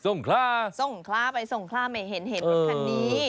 ทรงคลาไปทรงคลาไม่เห็นคันนี้